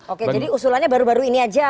oke jadi usulannya baru baru ini aja